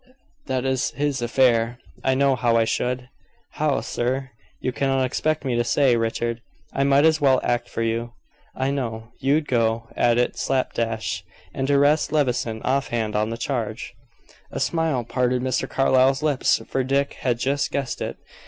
"That is his affair. I know how I should." "How, sir?" "You cannot expect me to say, Richard. I might as well act for you." "I know. You'd go at it slap dash, and arrest Levison offhand on the charge." A smile parted Mr. Carlyle's lips, for Dick had just guessed it.